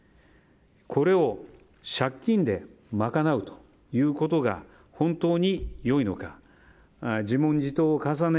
これを借金で賄うということが本当に良いのか自問自答を重ね